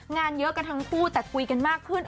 งานเยอะกันทั้งคู่แต่คุยกันมากขึ้น